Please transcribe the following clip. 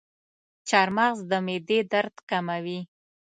چارمغز د معدې درد کموي.